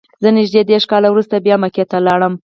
زه نږدې دېرش کاله وروسته بیا مکې ته لاړم.